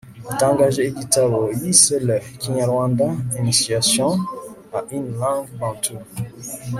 atangaje igitabo yise le kinyarwanda initiation à une langue bantoue